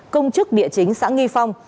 công chức địa chính xã nghi phong